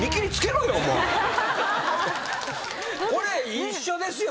これ一緒ですよ